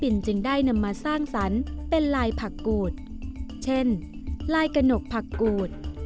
จึงได้นำมาสร้างสรรค์เป็นลายผักกูดเช่นลายกระหนกผักกูด